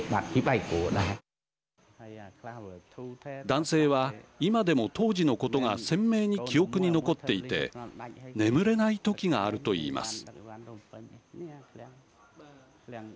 男性は今でも当時のことが鮮明に記憶に残っていて眠れない時があるといいます。